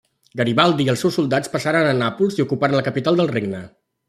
Garibaldi i els seus soldats passaren a Nàpols i ocuparen la capital del regne.